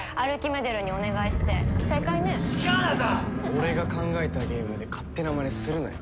俺が考えたゲームで勝手なまねするなよ。